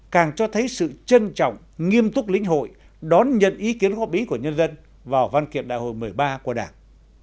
càng cho thấy sự trân trọng nghiêm túc lĩnh hội đón nhận ý kiến góp ý của nhân dân vào văn kiệm đại hội một mươi ba của đảng